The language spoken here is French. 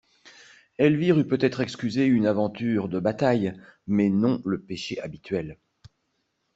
Elvire eut peut-être excusé une aventure de bataille, mais non le péché habituel.